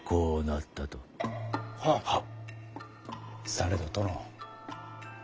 されど殿。